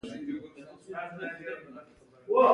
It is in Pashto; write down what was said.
د حاضري کتاب څوک ګوري؟